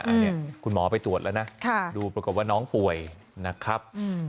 อันนี้คุณหมอไปตรวจแล้วนะดูปรากฏว่าน้องป่วยนะครับ